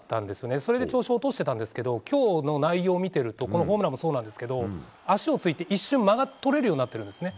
それで調子を落としていたんですけど今日の内容を見ているとこのホームランもそうなんですが足をついて一瞬間が取れるようになってるんですね。